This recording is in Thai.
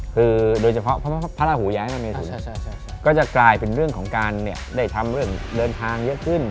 คือโดยเฉพาะพระราหูย้ายพระเมทุนก็จะกลายเป็นเรื่องของการได้ทำเรื่องเดินทางเยอะขึ้น